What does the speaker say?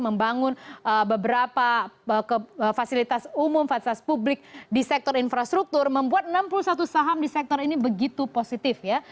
membangun beberapa fasilitas umum fasilitas publik di sektor infrastruktur membuat enam puluh satu saham di sektor ini begitu positif ya